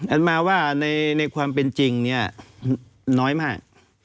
อันมาว่าในความเป็นจริงเนี่ยน้อยมาก